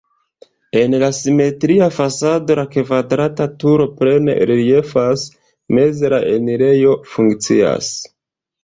En la simetria fasado la kvadrata turo plene reliefas, meze la enirejo funkcias.